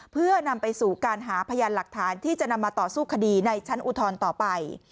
เพื่อนำไปสู่การหาพยานหลักฐานที่จะนำมาต่อสู้คดีในชั้นอุทธรณ์ต่อไป